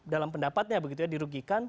dalam pendapatnya begitu ya dirugikan